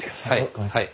ごめんなさい。